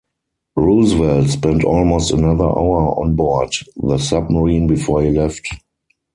Roosevelt spent almost another hour on board the submarine before he left.